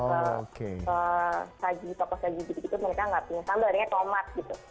kayak kalau ke toko sajijidik itu mereka enggak punya sambal adanya tomat gitu